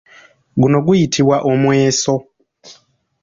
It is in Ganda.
Guno guyitibwa omweso.